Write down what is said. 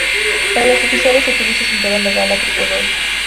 Para los oficiales se utiliza cinturón de gala tricolor.